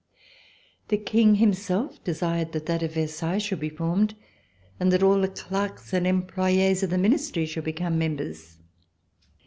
The King himself desired that that of Versailles should be formed and that all the clerks and employes of the Ministry should become mem bers.